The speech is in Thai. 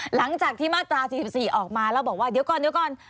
หลังจากที่มาตรา๔๔ออกมาแล้วบอกว่าเดี๋ยวก่อน